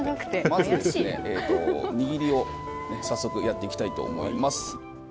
まず、握りを早速やっていきたいと思います。